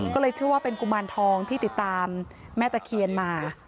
ก็เลยเชื่อว่าเป็นกุมารทองที่ติดตามแม่ตะเคียนมา